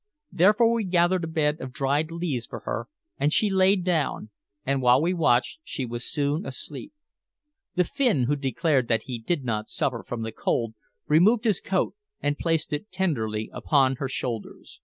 Therefore we gathered a bed of dried leaves for her, and she lay down, and while we watched she was soon asleep. The Finn, who declared that he did not suffer from the cold, removed his coat and placed it tenderly upon her shoulders.